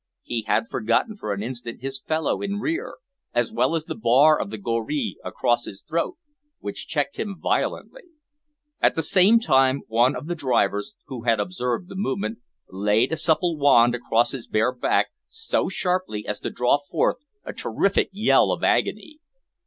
He had forgotten for an instant his fellow in rear, as well as the bar of the goree across his throat, which checked him violently; at the same time one of the drivers, who had observed the movement, laid a supple wand across his bare back so sharply as to draw forth a terrific yell of agony.